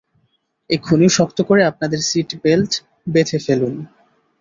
এক্ষুনি শক্ত করে আপনাদের সিট বেল্ট বেঁধে ফেলুন!